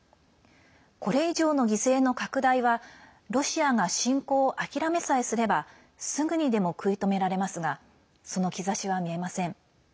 これ以上の犠牲の拡大はロシアが侵攻を諦めさえすればすぐにでも食い止められますがその兆しは見えません。